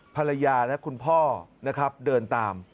ภรรยาและคุณพ่อนะครับเดินตาม